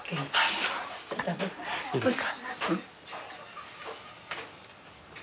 そうですね。